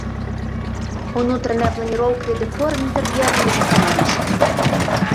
Унутраная планіроўка і дэкор інтэр'ера не захаваліся.